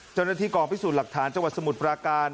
เจ้าหน้าที่กองพิสูจน์หลักฐานจังหวัดสมุทรปราการ